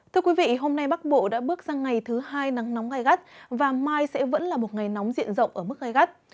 thưa quý vị hôm nay bắc bộ đã bước sang ngày thứ hai nắng nóng gai gắt và mai sẽ vẫn là một ngày nắng gai gắt